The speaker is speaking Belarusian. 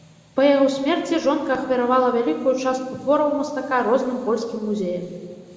Па яго смерці жонка ахвяравала вялікую частку твораў мастака розным польскім музеям.